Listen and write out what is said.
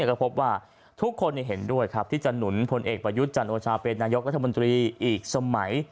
ก็พบว่าทุกคนเห็นด้วยครับที่จะหนุนพลเอกประยุทธ์จันโอชาเป็นนายกรัฐมนตรีอีกสมัย